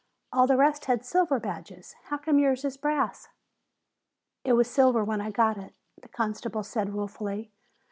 All the rest had silver badges. How come yours is brass?" "It was silver when I got it," the constable said ruefully.